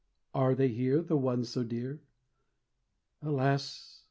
Are they here, the ones so dear? Alas!